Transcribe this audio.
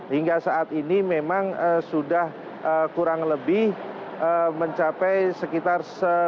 hingga saat ini memang sudah kurang lebih mencapai sekitar